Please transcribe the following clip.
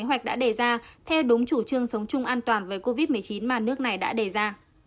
kế hoạch đã đề ra theo đúng chủ trương sống chung an toàn với covid một mươi chín mà nước này đã đề ra